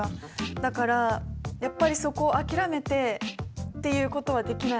だからやっぱりそこを諦めてっていうことはできない。